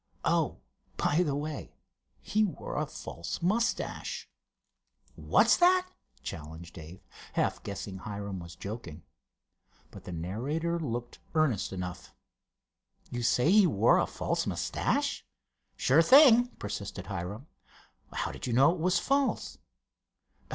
Oh, by the way, he wore a false mustache." "What's that?" challenged Dave, half guessing Hiram was joking. But the narrator looked earnest enough. "You say he wore a false mustache?" "Sure thing," persisted Hiram. "How did you know it was false?"